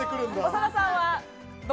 長田さんは？